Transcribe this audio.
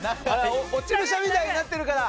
落ち武者みたいになってるから！